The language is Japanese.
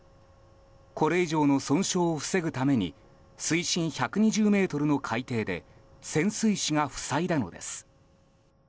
これ以上の損傷を防ぐために水深１２０ｍの海底で潜水士が塞いだのです。